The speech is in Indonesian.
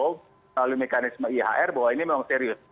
melalui mekanisme ihr bahwa ini memang serius